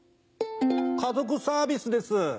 家族サービスです。